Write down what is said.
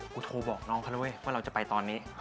โทรบอกน้องเขาแล้วเว้ยว่าเราจะไปตอนนี้